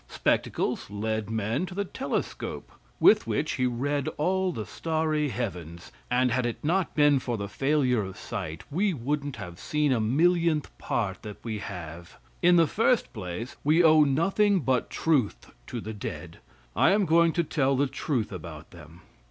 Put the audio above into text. Spectacles led men to the telescope, with which he read all the starry heavens; and had it not been for the failure of sight we wouldn't have seen a millionth part that we have. In the first place, we owe nothing but truth to the dead. I am going to tell the truth about them.